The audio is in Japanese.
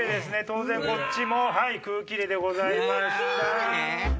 当然こっちも「空気入れ」でございました。